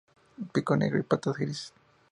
Pico negro y patas grises.